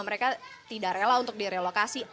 mereka tidak rela untuk direlokasi